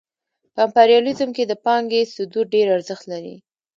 په امپریالیزم کې د پانګې صدور ډېر ارزښت لري